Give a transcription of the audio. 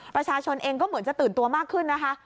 ประชาชนเองก็เหมือนจะตื่นตัวมากขึ้นนะคะ